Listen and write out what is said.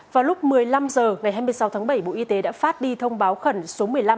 vào lúc một mươi năm h ngày hai mươi sáu tháng bảy bộ y tế đã phát đi thông báo khẩn số một mươi năm